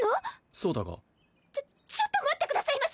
そうだがちょちょっと待ってくださいまし